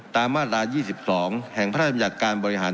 ตามมาตรา๒๒แห่งพระราชินัยการบริหาร